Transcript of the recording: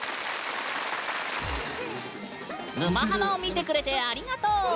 「沼ハマ」を見てくれてありがとう！